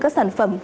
các sản phẩm